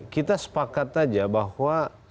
kita sepakat aja bahwa